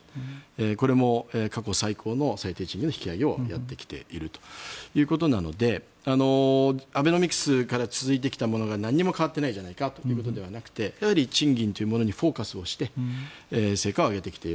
これも過去最高の最低賃金の引き上げをやってきているということなのでアベノミクスから続いてきたものが何も変わっていないじゃないかということではなくて賃金というものにフォーカスをして成果を上げてきている。